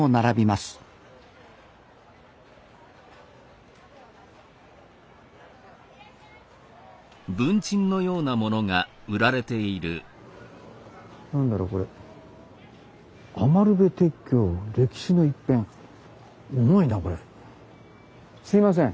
すいません。